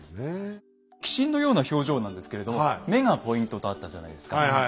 鬼神のような表情なんですけれど目がポイントとあったじゃないですか。